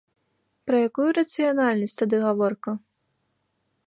Пра якую рацыянальнасць тады гаворка?